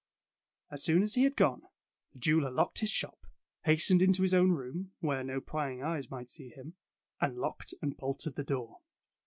As soon as he had gone, the jeweller locked his shop, hastened into his own room, where no prying eyes might see him, and locked and bolted the door.